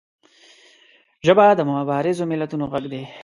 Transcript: ژبه د مبارزو ملتونو غږ دی